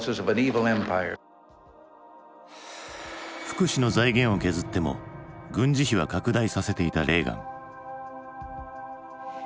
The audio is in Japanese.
福祉の財源を削っても軍事費は拡大させていたレーガン。